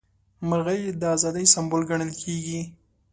مرغۍ د ازادۍ سمبول ګڼل کیږي.